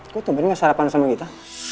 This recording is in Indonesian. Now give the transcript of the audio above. kok tumpahnya gak sarapan sama kita